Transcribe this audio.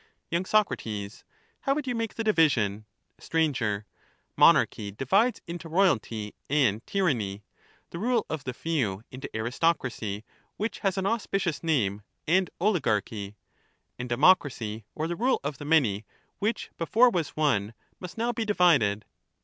y. Soc, How would you make the division ? Sir, Monarchy divides into royalty and tyranny ; the rule of the few into aristocracy, which has an auspicious name, and oligarchy; and democracy or the rule of the many, which before was one, must now be divided.